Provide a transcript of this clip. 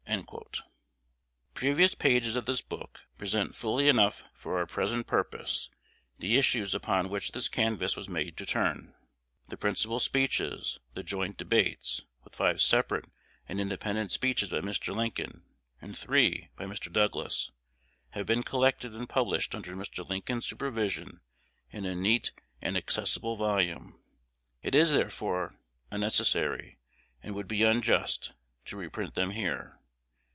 Previous pages of this book present fully enough for our present purpose the issues upon which this canvass was made to turn. The principal speeches, the joint debates, with five separate and independent speeches by Mr. Lincoln, and three by Mr. Douglas, have been collected and published under Mr. Lincoln's supervision in a neat and accessible volume. It is, therefore, unnecessary, and would be unjust, to reprint them here.